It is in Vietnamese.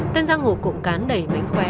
tân giang hồ cộng cán đẩy mảnh khóe